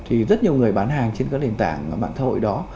thì rất nhiều người bán hàng trên các đền tảng bản xã hội đó